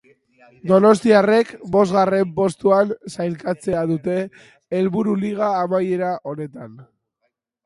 Donostiarrek bosgarren postuan sailkatzea dute helburu liga amaiera honetan.